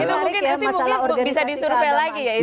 itu mungkin bisa disurvey lagi ya